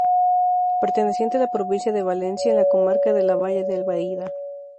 Perteneciente a la provincia de Valencia, en la comarca de la Valle de Albaida.